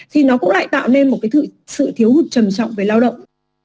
thì nó cũng lại tạo nên một cái sự thiếu hụt trầm trọng về lao động